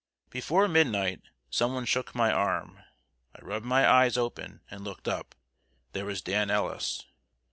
] Before midnight some one shook my arm. I rubbed my eyes open and looked up. There was Dan Ellis.